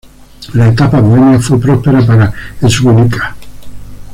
La etapa bohemia fue próspera para Świdnica.